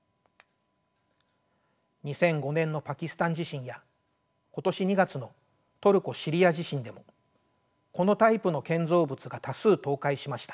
２００５年のパキスタン地震や今年２月のトルコ・シリア地震でもこのタイプの建造物が多数倒壊しました。